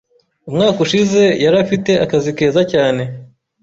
Umwaka ushize, yari afite akazi keza cyane.